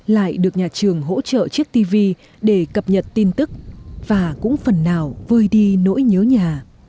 lại được nhà trường hỗ trợ chiếc tv để cập nhật tin tức và cũng phần nào vơi đi nỗi nhớ nhà